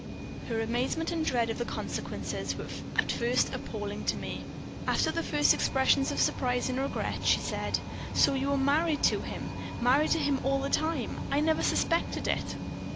"Her amazement and dread of the consequences were at first appalling to me. After the first expressions of surprise and regret, she said: "'So you were married to him married to him all the time? I never suspected it.'